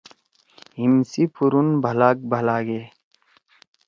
ہیِم سی پُھورُون بھلاک بھلاگے